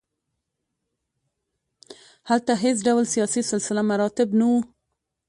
هلته هېڅ ډول سیاسي سلسله مراتب نه وو.